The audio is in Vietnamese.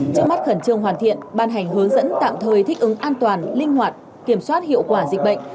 trước mắt khẩn trương hoàn thiện ban hành hướng dẫn tạm thời thích ứng an toàn linh hoạt kiểm soát hiệu quả dịch bệnh